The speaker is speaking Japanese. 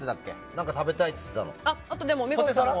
何か食べたいって言ってたの。